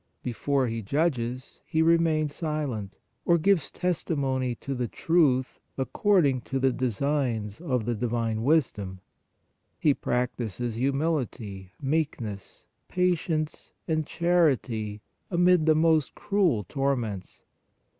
Before His judges He re mains silent, or gives testimony to the truth, ac cording to the designs of the divine Wisdom; He practises humility, meekness, patience and charity amid the most cruel torments.